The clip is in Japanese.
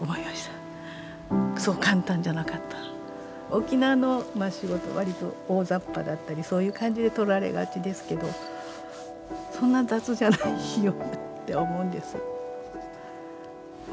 沖縄の仕事割と大ざっぱだったりそういう感じでとられがちですけどそんな雑じゃないよなって思うんです。